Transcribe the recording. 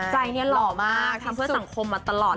ใจเนี่ยหล่อมากทำเพื่อสังคมมาตลอด